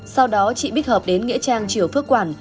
sau đó chị bích hợp đến nghĩa trang triều phước quản